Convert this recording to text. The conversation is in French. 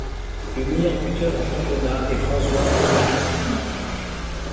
Le meilleur buteur en championnat est François Omam-Biyik.